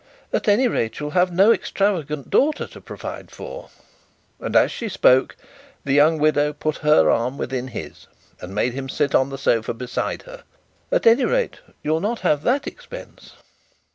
'At any rate, you'll have no extravagant daughter to provide for;' and as she spoke, the young widow put her arm within his, and made him sit on the sofa beside her; 'at any rate you'll not have that expense.'